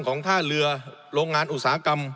ท่าเรือโรงงานอุตสาหกรรม